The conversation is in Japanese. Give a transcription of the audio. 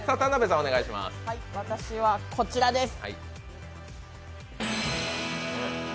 私はこちらです。